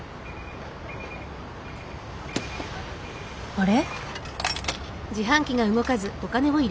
あれ？